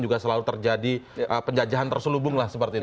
juga selalu terjadi penjajahan terselubung